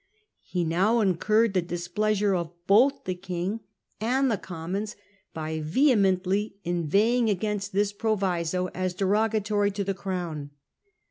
He now incurred the displeasure of both the King and the Commons by vehemently inveighing against this proviso as derogatory to the Crown.